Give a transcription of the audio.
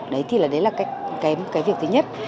đấy thì là cái việc thứ nhất